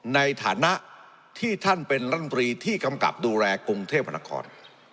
ในฐานะที่ท่านเป็นรัฐมนตรีที่กำกับดูแลกรุงเทพนคร